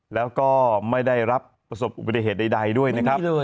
แล้วก็ไม่ได้รับประสบอุบัติเหตุใดด้วยนะครับ